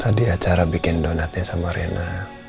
tadi acara bikin donatnya sama rena